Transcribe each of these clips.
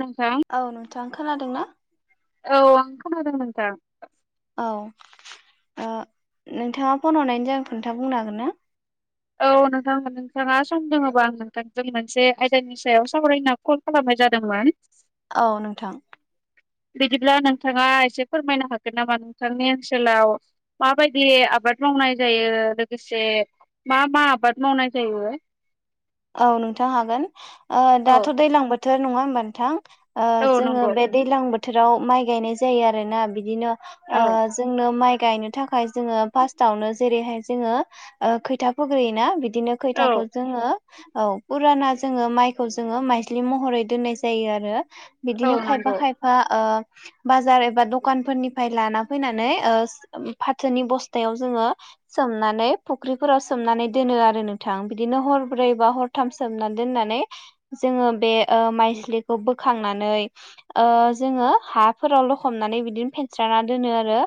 नों थां खोनादों ना? औ आं खोनादों नोंथां। औ ओ नोंथाङा फन हनायनि जाहोन खोन्था बुंनो हागोन ना? औ नोंथां नोंथाङा सम दङबा आं नोंथां जों मोनसे आयदानि सायाव सावरायना कल खालामनाय जादोंमोन। औ नोंथां। बिदिब्ला नोंथाङा एसे फोरमायना हागोन नामा नोंथांनि ओनसोलाव माबायदि आबा द मावनाय जायो लोगोसे मा मा आबाद मावनाय जायो? औ नोंथां हागोन। ओ औ दाथ' दैलां बोथोर नङा होमबा नोंथां। ओ औ जोंङो नंगौ बे दैलां बोथोराव माइ गायनाय जायो आरोना। बिदिनो औ ओ जोंनो माइ गायनो थाखाय जोङो फास्थावनो जेरैहाय जोंङो ओ खोथिया फोग्रोयोना बि दिनो औ खोथियाखौ जोङो औ। फुराना जोंङो माइखौ जोङो माइज्लि महरै दोननाय जायो आरो। औ बिदिनो खायफा नंगौ खायफा ओ बाजार एबा दखानफोरनिफाय लाना फैनानै ओज फाथोनि बस्थायाव जोङो सोमनानै फख्रिफोराव सोमनानै दोनो आरो नोंथां। बिदिनो हर ब्रै बा हरथाम सोमनानै दोननानै जोङो बे ओ माइज्लिखौ बोखांनानै ओ जोङो हाफोराव लख'बनानै बिदिनो फेनस्राना दोनों आरो।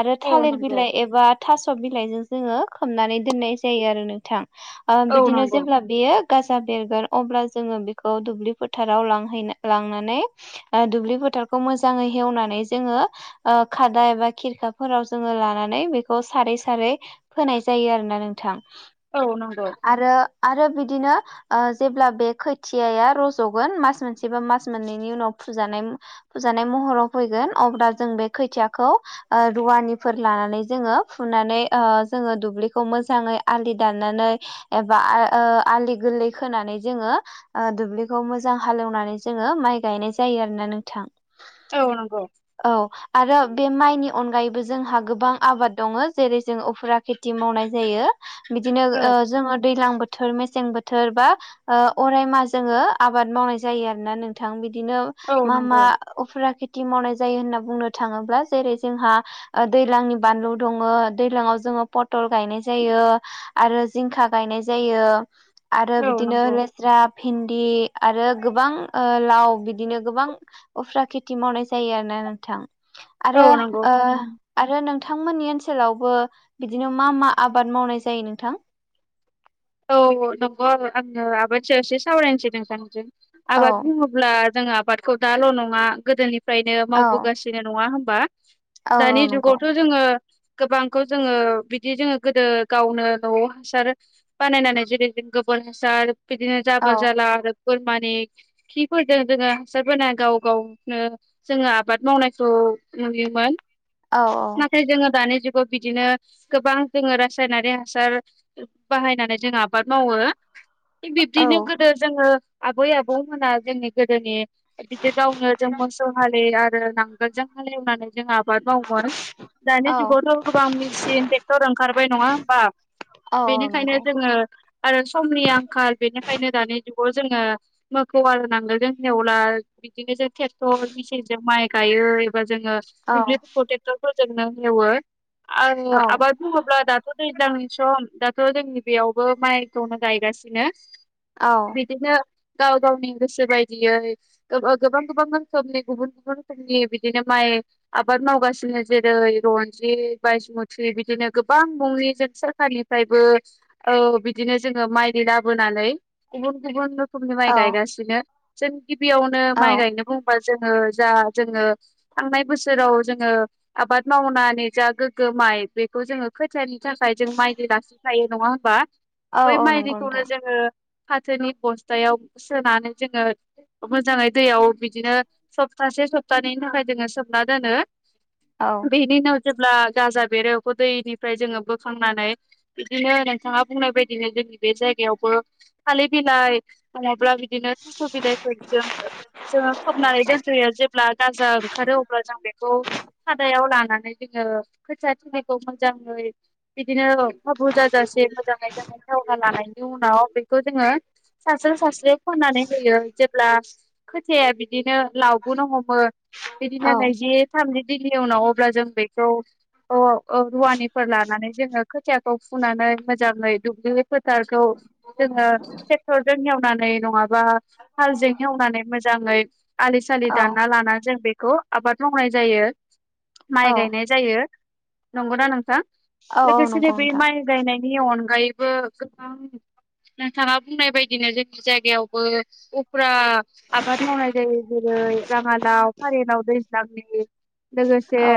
आरो औ थालिर नंगौ बिलाइ एबा थास'बिलाइजो जोङो खोबनानै दोननाय जायो आरो नोंथां। ओ औ बिदिनो नंगौ जेब्ला बियो गाजा बेरगोन अब्ला जोंङो बेखौ दुब्लि फोथाराव लांहैनो लांनानै ओ दुब्लि फोथा रखौ मोजांङै हेउनानै जोंङो ओ खादा एबा खेरखाफोराव जोंङो लानानै बेखौ सारै सारै फोनाय जायो आरो ना नोंथां। औ नोंगौ। आरो आरो बिदिनो ओ जेब्ला बे खोथियाया रजगोन, मास मोन से बा मास मोननैनि उनाव फुजानाय, फुजा नाय महराव फैगोन, अब्ला जों बे खोथियाखौ रुवानिफोर लानानै जोङो फुनानै हाय जोङो दुब्लिखौ मोजाङै आलि दनानै एबा ओ आलि गोरलै खोनानै जोङो दुब्लिखौ मोजां हालेवनानै जोङो माइ गायनाय जायो। आरोना नोंथां औ नंगौ औ आरो बे माइनि अनगायैबो जोंहा गोबां आबाद दङ जेरै जों उफुरा खेथि मावनाय जायो। बिदिनो औ ओ जोङो दैज्लां बोथोर थोर मेसें बोथोर बा ओ अरायमा जोङो आबाद मावनाय जायो आरोना नोंथां बि दिनो औ मा मा नंगौ अफुरा खे ति मावनाय जायो होनना बुंनो थाङोब्ला जेरै जोंहा दैलांनि बानलु दङ दैलांङाव जों पतल गायनाय जायो आरो जिंखा गायनाय ज जायो आरो औ बिदिनो नंगौ लेस्रा भिन्दि आरो गोबां ओ लाव बिदिनो गोबां उफ्रा खेथि मावनाय जायो आरो ना नोंथां आरो औ नंगौ ओ थारैनो आरो नों थांमोननि ओनसोलावबो बिदिनो मा मा आबाद मावनाय जायो नोंथां? औ नंगौ आङो आबादसे एसे सावरायनोसै नोंथांजों औ आबाद बुङोब्ला जोङो आबादखौ दाल' नङा गोदोनिफ्रायनो औ मावबोगासिनो नङा होन बा औ दानि औ नंगौ जुगावथ' जोङो गोबांखौ जोङो बिदि जोङो गोदो गावनो न'आव हासार बानायनानै जेरै गोबोर हासार बिदिनो औ जाबोर जालार बोरमानि खिफोरजों जोङो हासार बोना गाव गावनो जोङो आबाद मावनायखौ [unintelligible] नुयोमोन औ नाथाय जोङो दानि जुग गाव बिदिनो गोबां जोङो रासायनारि हासार बाहायनानै जों आबाद मावो थिग औ बिब्दिनो गोदो जोङो आबै आबौमोना जोंनि गोदोनि बिदि गावनो जों मोसौ हालि आरो [unintelligible] नांगोलजों हालेवनानै जों आबाद मावोमोन। दानि औ जुगावथ' गोबां मेचिन ट्रेक्टर ओंखारबाय नङा होमबा औ औ बेनिखायनो नंगौ। जोङो आरो समनि आंखाल बेनिखायनो दानि जुगाव जोङो मोखौ आरो नांगोलजों एवला, बिदिनो जों ट्रेक्टर मेसिनजों माइ गायो। औ [unintelligible] एवो आरो औ आबाद बुङोब्ला दाथ' दैज्लांनि सम दाथ' जोंनि बेयावबो माइखौनो गायगासिनो औ बिदिनो गाव गावनि गोसो बायदियै गोबां गोबां रोखोमनि गुबुन गुबुन रोखोमनि बिदिनो माइ आबाद मावगासिनो जेरै रनजित बाइसमुथि बिदिनो गोबां मुंनि जों सार खारनिफ्रायबो बिदिनो जोङो माइ दै लाबोनानै गुबुन गुबुन रोखोमनि माइ औ गायगासिनो। जों गिबियावनो औ माइ गायनो बुंबा जोङो जा जोङो थांनाय बोसोराव जोङो आबाद मावनानै जा गोग्गो माइ बेखौ जोङो खोथायानि थाखाय जों माइदि लाखिखायो नङा होमबा? औ बै औ नंगौ माइनिखौनो नोंथां जोङो फाथोनि बस्थायाव सोनानै जोङो मोजाङै दैयाव बिदिनो सप्तासे सप्तानैनि थाखाय जोङो सोमना दोनो औ बेनि उनाव जेब्ला गाजा बेरेखौ दैनिफ्राय जोङो बोखांनानै बिदिनो नोंथाङा बुंनाय बायदिनो जोंनि बे जायगायावबो थालिर बिलाइ म अब्ला बिदिनो थास' बिलाइफोर जों जोङो खोबनानै दोनग्रोयो जेब्ला गाजा ओंखारो अब्ला जों बे खौ खादायाव लानानै जोङो खोथि थिलिखौ मोजाङै बिदिनो [unintelligible] उनाव बेखौ जोङो [unintelligible] खनानै होयो जेब्ला खोथायाया बिदिनो लावबोनो हमो बिदिनो औ नैजि थामजि दिननि उनाव अब्ला जों बे खौ ओ रुवानिफोर लानानै जोङो खोथिया खौ फुनानै मोजाङै दुब्लि फोथारखौ जोङो ट्रेक्टरजों एवनानै नङा माबा हालजों हेवनानै मोजाङै आलि सलि औ दानना लानानानै जों बेखौ आबाद मावनाय जायो औ माइ गायनाय जायो। नंगौना नोंथां? औ औ लोगोसेनो नंगौ बे नोंथां माइ गायनायनि अनगायैबो गोबां नोंथाङा बुंनाय बदिनो जोंनि जायगायावबो उफ्रा आबाद मावनाय जायो जेरै दै राङालाव फारिलाव दैज्लांनि लोगोसे औ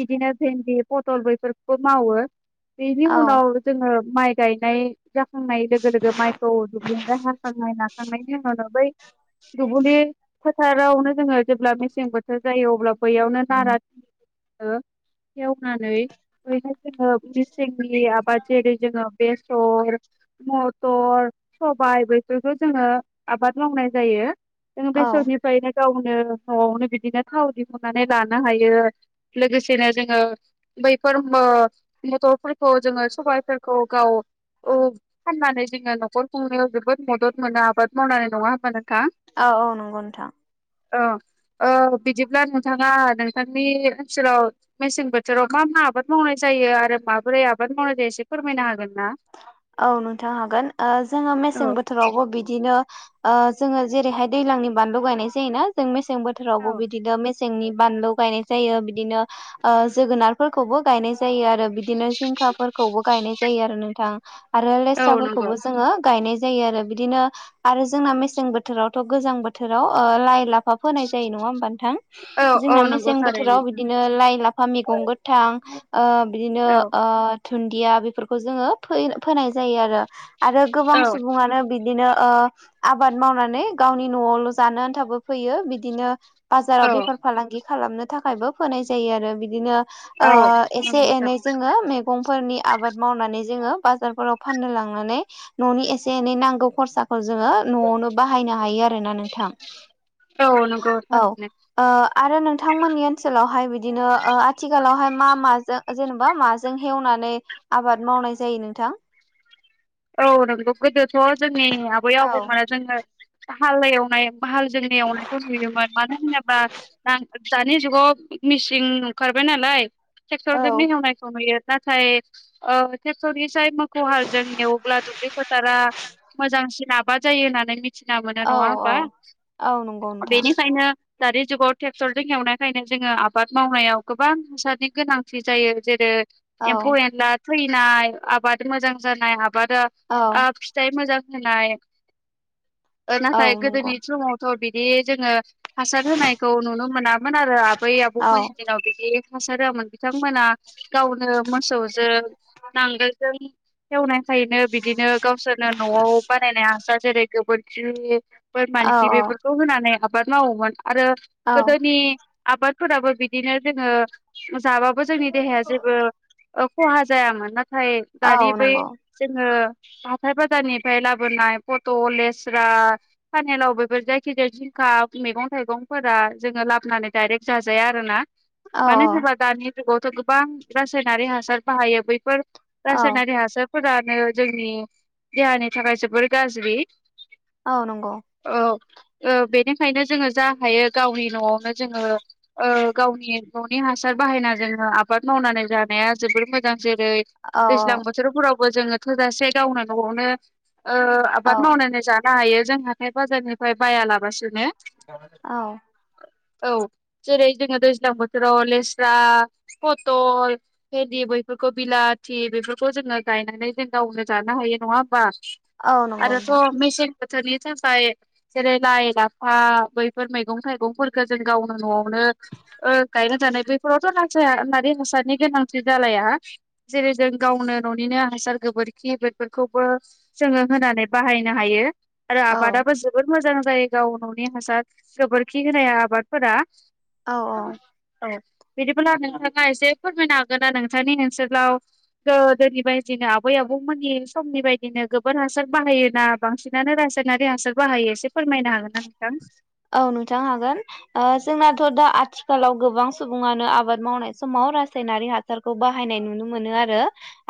बिदिनो भेन्दि पटल बैफोरखौबो मावो बेनि औ उनाव जोङो माइ गायनाय जाखांनाय लोगो लोगो माइखौ दुुब्लिबाय हाखांनाय नाखांनायनि उनावनो बै दुब्लि फोथारावनो जोङो जेब्ला मेसें बोथोर जायो अब्ला बैयावनो नारा ओ एवनानै हाय जोङो मिसेंनि आबाद जेरै जोङो बेसर मटर सबाय बेफोरखौ जोङो आबाद मावनाय जायो जोंङो औ बैसरनिफ्रायनो गाव न'आवनो बिदिनो थाव दिहुननानै लानो हायो लोगोसेनो जोङो बै फोर बो गथ'फोरखौ जोङो सबाइफोरखौ गाव फाननानै जोङो न'खर सुंनायाव जोबोद मदद मोनो आबाद मावनानै नङा होनबा नोंथां औ औ नंगौ नोंथां औ ओ बिदिब्ला नोंथाङा नोंथांनि ओनसोलाव मेसें बोथोराव मा मा आबाद मावनाय जायो आरो माबोरै आबाद मावनाय जायो एसे फोरमायनो हागोन ना? औ नोंथां हागोन ओ जोङो मेसें औ बोथोरावबो बिदिनो ओ जोङो जेरैहाय दैज्लांनि बानलु गायनाय जायोना जों मेसें बोथोरावबो बिदिनो मेसें सेंनि बानलु गायनाय जायो बिदिनो ओ जोगोनारफोरखौबो गायनाय जायो आरो बिदिनो जिंखा फोरखौबो गायनाय जायो आरो नोंथां आरो औ लेस्राबो नंगौ जोङो गायनाय जायो आरो बिदिनो आरो जोंना मेसें बोथोरावथ' गोजां बोथोराव ओ लाइ लाफा फोनाय जायो नङा नङा होनबा नोंथां औ औ जोंना नंगौ मेसें थारैनो बोथोराव बिदिनो लाइ लाफा औ मैगं गोथां ओ बिदिनो औ ओ दुन्दिया बेफोरखौ जोङो फो फोनाय जायो आरो आरो गोबां औ सुबुङानो बिदिनो ओ आबाद मावनानै गावनि न'आवल' जानो आन्थाबो फैयो बिदिनो बाजाराव औ बेफार फालांगि खालामनो थाखायबो फोनाय जायो आरो बिदिनो ओ नंगौ एसे नोंथां एनै जोङो मैगंफोरनि आबाद मावनानै जोङो बाजारफोराव फाननो लांनानै न'नि एसे एनै नांगौ खरसा जोङो न'आवनो बाहायनो हायो आरोना नोंथां औ नंगौ औ थारैनो ओ आरो नोंथांमोननि ओनसोलावहाय बिदिनो आथिखालावहाय मा मा ज जेनेबा माजों हेवनानै आबाद मावनाय जायो नोंथां औ नोंगौ गोदोथ' जोंनि आबै औ आबौमोनो जोङो बाहाल एवनाय बाहाल जोंनि एवनायखौ नुयोमोन मानो होनोब्ला दानि जुगाव मिसिं ओंखारबाय नालाय औ ट्रेक्टरजोंनो हेवनायखौ नुयो नाथाय ओ ट्रेक्टरनि जाय मोखौ हाल जोंनियाव अब्ला दुब्लि फोथारा मोजांसिन आाबाद जायो होननानै मिथि थिना मोनो नङा औ होमबा औ नंगौ नोंथां बेनिखायनो दानि जुगाव ट्रेक्टरजों एवनायखायनो जोङो आबाद मावनायाव गोबां हासारनि गोनांथि जायो जेरै औ एम्फौ एनला थैनाय आबाद मोजां जानाय आबादा औ ओ फिथाइ मोजां होननाय औ नाथाय नंगौ गोदोनि समावथ' बिदि जोङो हासार होनायखौ नुनो मोनामोन आरो आबै औ आबौमोननि दिनाव बिदि हासार होआमोन बिथांमोना गावनो मोसौजों नांगोलजों एवनाय खायनो बिदिनो गावसोरनो न'आव बानायनाय हासार जेरै गोबोरखि औ बोरमानखि औ बेफोरखौ होनानै आबाद मावोमोन आरो औ गोदोनि आबादफोराबो बिदिनो जोङो जाबाबो जोंनि देहाया जेबो ओ खहा जायामोन नाथाय औ दानि बै नंगौ जोङो हाथाइ बाजारनिफाय लाबोनाय पटल लेस्रा पानेलाव बेफोर जे जायखिजाया जिंखा मेगं थाइगंफोरा जोङो लाबनानै डाइरेक्ट जाजाया आरोना औ मानो होनोबा दानि जुगावथ' गोबां रासायनारि हासार बाहायो बैफोर औ रासायनारि हासारफोरानो जोंनि देहानि थाखाय जोबोर गाज्रि औ नंगौ औ ओ बेनिखायनो जोङो जा हायो गावनि न'आवनो जोङो ओ गावनि न'नि हासार बाहायना जोङो आबाद मावनानै जानाया जोबोर मोजां जेरै औ दैज्लां औ बोथोरफोरावबो जोङो थोजासे गावनो न'आवनो ओ औ आबाद मावनानै जानो हायो जों हाथाइ बाजारनिफ्राय बायालाबासिनो औ [inaudible] औ जेरै जोङो दैज्लां बोथोराव लेस्रा, पटल, भेन्दि बैफोरखौ कबि बेलाथि बेफोरखौ जोङो गायनानै जों गावनो जानो हायो नङा होमबा औ नंगौ आरोथ' नोंथां मेसें बोथोरनि थाखाय जेरै लाइ लाफा बैफोर मैगं थाइगंफोरखौ जों गावनो न'आवनो ओ गायना जानाय बैफोरावथ' रासायनारि हासारनि गोनांथि जालाया जेरै जों गावनो न'निनो हासार गोबोरखि बैफोरखौबो जोङो होनानै बाहायनो हायो। आरो औ आबादाबो जोबोद मोजां जायो गाव न'नि हासार गोबोरखि होनाया आबादफोरा औ औ [unintelligible] औ बिदिब्ला नोंथाङा एसे फोरमायनो हागोनना नोंथांनि ओनसोलाव गो दोनि बायदिनो आबै आबौमोननि समनि बायदिनो गोबोर हासार बाहायोना बांसिनानो रासायनारि हा सार बाहायो एसे फोरमायनो हागोन ना नोंथां औ नोंथां हागोन ओ जोंनाथ' दा आथिखालाव गोबां सुबुङानो आबाद मावनाय समाव रा सायनारि हासारखौ बाहायनाय नुनो मोनो आरो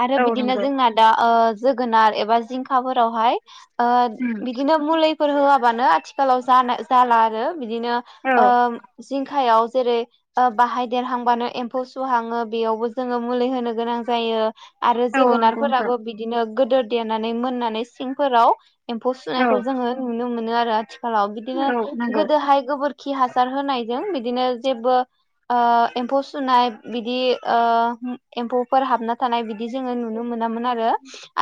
आरो औ बिदिनो नंगौ जोंना दा ओ जोगोनार एबा जिंखाफोरावहाय ओ उम बिदिनो मुलैफोर होयाबानो आथिखालाव जान जाला आरो बिदिनो औ ओम जिंखायाव जेरै ओ बाहाय देरहांबानो एम्फौ सुहाङो बेयावबो जोङो मुलै होनो गोनां जायो। आरो औ नंगौ नोंथां जोगोनारफोराबो बिदिनो गोदोर देनानै मोननानै सिंफोराव एम्फौ औ सुनायखौ जोङो नुनो मोनो आरो आथिखालाव बिदिनो औ नंगौ गोदोहाय गोबोरखि हासार होनाय बिदिनो जेब्लाबो ओ एम्फौ सुनाय बिदि ओ एम्फौफोर हाबना थानाय बि दि जोङो नुनो मोनामोन आरो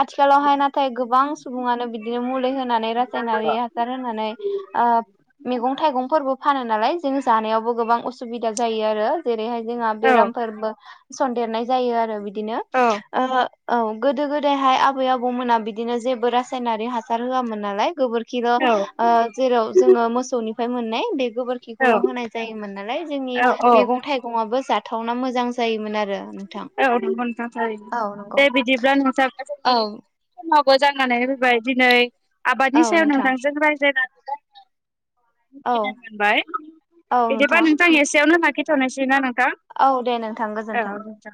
आथिखालावहाय नाथाय गोबां सुबुङानो बिदिनो मुलै होनानै रा सायनारि हासार होनानै आ मैगं थाइगंफोरबो फानो नालाय जों जानायावबो गोबां उसुबिदा जायो आरो जेरैहाय जोंहा औ बेरामफोरबो सन्देरनाय जायो आरो बिदिनो ओ औ गोदो गोदायहाय आबै आबौमोना बिदिनो जेबो रासायनारि हासार होयामोन नालाय गोबोर खिल' औ ओ जेराव जोङो मोसौनिफाय मोननाय बे गोबोरखिखौल' होनाय जायोमोन नालाय जोंनि औ मैगं थाइगंयाबो जाथावना मोजां जायोमोन आरो नोंथां। औ [unintelligible] औ नंगौ। दे बिदिब्ला नोंथां [unintelligible] औ जोंनि मोजां नांनै फैबाय दिनै औ आबादनि सायाव नोंथां नोंथांजों रायज्लायनानै औ [unintelligible] मोनबाय बिदिबा नोंथां एसेयावनो लाखिथ'नोसै ना नोंथां औ दे नोंथां गोजोन्थों। औ जा